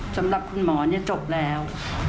สำหรับคุณหมอจบแล้ว